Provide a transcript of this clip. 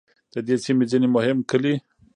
د دې سیمې ځینې مهم کلي